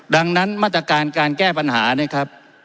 ดังนั้นมาตรการการแก้ปัญหาเนี่ยครับ